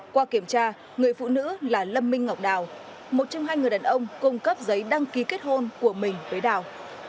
qua kiểm tra người phụ nữ là lâm minh ngọc đào một trong hai người đàn ông cung cấp giấy đăng ký kết hôn của mình với đào